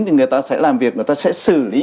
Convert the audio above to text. thì người ta sẽ làm việc người ta sẽ xử lý